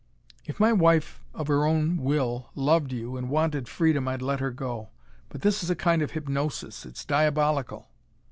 "If my wife of her own will loved you, and wanted freedom, I'd let her go. But this is a kind of hypnosis. It's diabolical!"